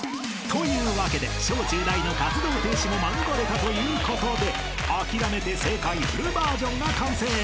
［というわけで小中大の活動停止も免れたということで『諦めて正解』フルバージョンが完成］